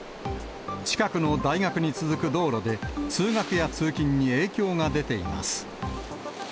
近くの大学に続く道路で、通学や通勤に影響が出ています。